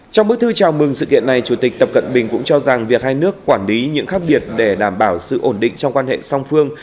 trong bức thư chào mừng sự kiện này chủ tịch tập cận bình cũng cho rằng việc hai nước quản lý những khác biệt để đảm bảo sự ổn định trong quan hệ song phương